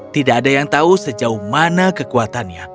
tidak ada yang tahu sejauh mana kekuatannya